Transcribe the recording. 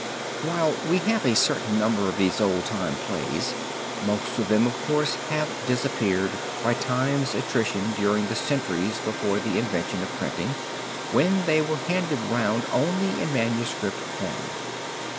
While we have a certain number of these old time plays, most of them, of course, have disappeared by time's attrition during the centuries before the invention of printing, when they were handed round only in manuscript form.